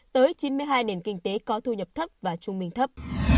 tới chín mươi hai nền kinh tế có thu nhập thấp và trung bình thấp